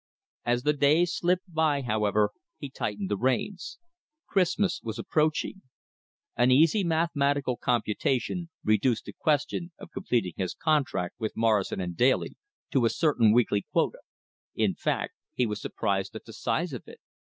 As the days slipped by, however, he tightened the reins. Christmas was approaching. An easy mathematical computation reduced the question of completing his contract with Morrison & Daly to a certain weekly quota. In fact he was surprised at the size of it.